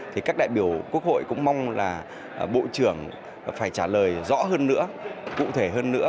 thì các đại biểu quốc hội cũng mong là bộ trưởng phải trả lời rõ hơn nữa cụ thể hơn nữa